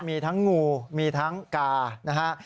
มีทั้งงูมีทั้งกานะฮะ